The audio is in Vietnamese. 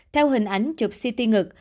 theo hình ảnh chụp ct ngực